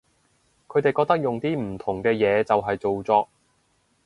佢哋覺得用啲唔同嘅嘢就係造作